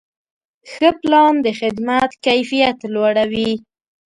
ښه پلان د خدمت کیفیت لوړوي.